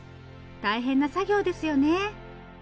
大変な作業ですよね。